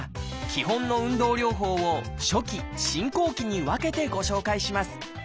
基本の運動療法を初期・進行期に分けてご紹介します。